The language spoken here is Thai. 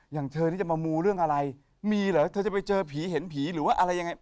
อย่างเธอนี่จะมามูเรื่องอะไรมีเหรอเธอจะไปเจอผีเห็นผีหรือว่าอะไรยังไง